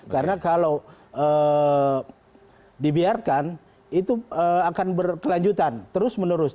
karena kalau dibiarkan itu akan berkelanjutan terus menerus